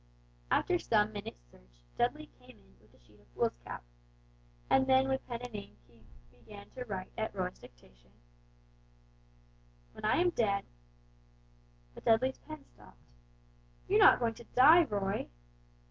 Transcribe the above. After some minutes' search Dudley came in with a sheet of foolscap, and then with pen and ink he began to write at Roy's dictation: "When I am dead" But Dudley's pen stopped. "You are not going to die, Roy?"